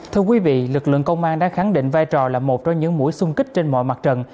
thưa quý vị lực lượng công an đã khẳng định vai trò là một trong những mũi xung kích trên mọi mặt trận